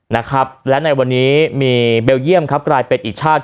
นะครับและในวันนี้มีเบลเยี่ยมครับกลายเป็นอีกชาติ